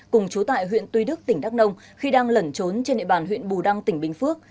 cùng chú tại huyện tuy đức tỉnh đắk nông khi đang lẩn trốn trên địa bàn huyện bù đăng tỉnh bình phước